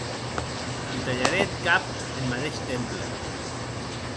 Li talharè eth cap en madeish temple.